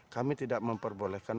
kami tidak memperbolehkan